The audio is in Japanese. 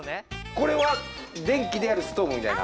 これは電気でやるストーブみたいな？